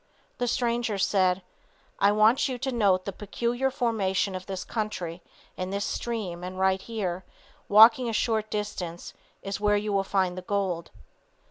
The stranger said: "I want you to note the peculiar formation of this country and this stream and right here, walking a short distance, is where you will find the gold."